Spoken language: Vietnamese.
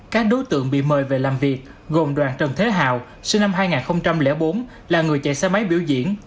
các đối tượng bị mời về làm việc gồm đoàn trần thế hào sinh năm hai nghìn bốn là người chạy xe máy biểu diễn